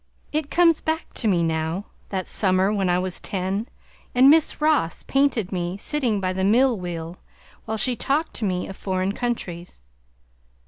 It comes back to me now, that summer when I was ten and Miss Ross painted me sitting by the mill wheel while she talked to me of foreign countries!